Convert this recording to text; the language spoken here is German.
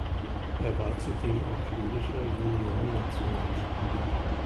Er war zudem auch schwedischer Juniorennationalspieler.